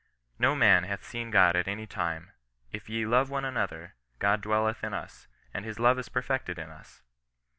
No man hath seen God at any time. If we love one another, God dwelleth in us, and his love is perfected in us."